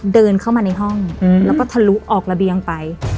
เดินเข้ามาในห้องแล้วก็ทะลุออกระเบียงไป